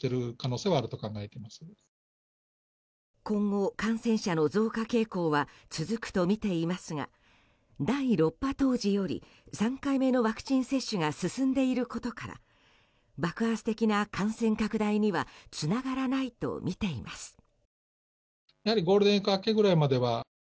今後、感染者の増加傾向は続くとみていますが第６波当時より３回目のワクチン接種が進んでいることから爆発的な感染拡大にはつながらないとみています。